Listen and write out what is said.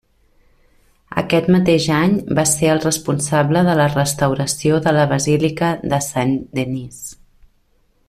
Aquest mateix any va ser el responsable de la restauració de la Basílica de Saint-Denis.